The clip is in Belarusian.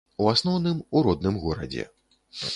У асноўным, у родным горадзе.